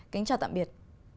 kính chào tạm biệt